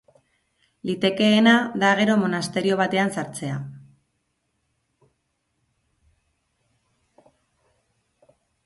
Litekeena da gero monasterio batean sartzea.